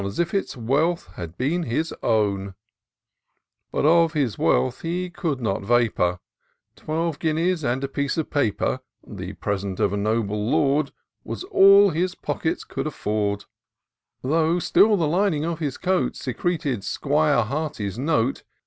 As if its wealth had been his own : But of his wealth he could not vapour — Twelve guineas and a piece of paper (The present of a noble Lord), Was all his pockets did afford : Though still the lining of his coat Secreted 'Squire Hearty's note.